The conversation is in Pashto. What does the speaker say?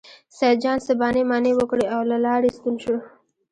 سیدجان څه بانې مانې وکړې او له لارې ستون شو.